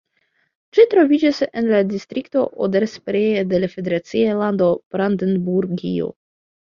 Ĝi troviĝas en la distrikto Oder-Spree de la federacia lando Brandenburgio.